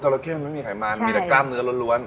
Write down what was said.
ระเข้มันไม่มีไขมันมีแต่กล้ามเนื้อล้วน